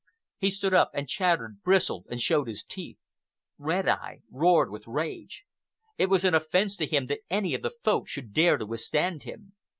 He stood up, and chattered, bristled, and showed his teeth. Red Eye roared with rage. It was an offence to him that any of the Folk should dare to withstand him.